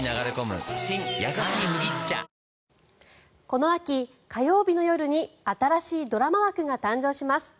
この秋、火曜日の夜に新しいドラマ枠が誕生します。